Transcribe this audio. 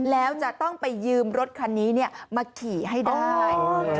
แล้วจะต้องไปยืมรถคันนี้มาขี่ให้ได้